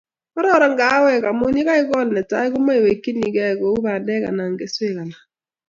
kororon kahawek omu yekaikool netai komaiwekchinigei kou bandek anan keswek alak